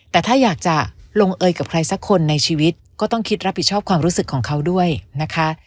แต่ถ้าอยากจะลงเอยกับใครสักคนในชีวิตก็ต้องคิดรับผิดชอบความรู้สึกของเขาด้วยนะคะ